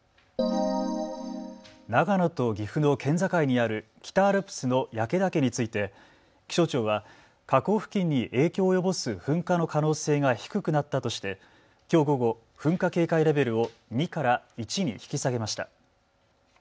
長野と岐阜の県境にある北アルプスの焼岳について気象庁は火口付近に影響を及ぼす噴火の可能性が低くなったとしてきょう午後、噴火警戒レベルを２から１に引き下げました。